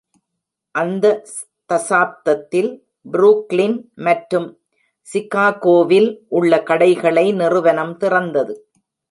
அந்த தசாப்தத்தில், புரூக்ளின் மற்றும் சிகாகோவில் உள்ள கடைகளை நிறுவனம் திறந்தது.